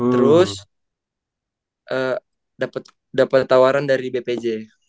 terus dapat tawaran dari bpj